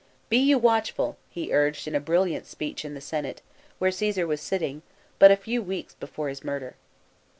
" Be you watchful/' he urged in a brilliant speech in the Senate, where Csesar was sitting, but a few weeks before his murder.